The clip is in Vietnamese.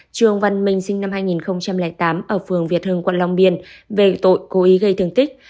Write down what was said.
trương văn minh sinh năm hai nghìn tám ở phường việt hưng quận long biên về tội cố ý gây thương tích